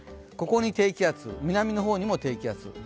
ここに低気圧、南の方にも低気圧。